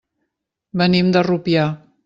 Venim de Rupià.